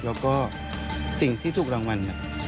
แล้วก็สิ่งที่ถูกรางวัล